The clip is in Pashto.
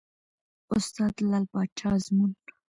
استاد : لعل پاچا ازمون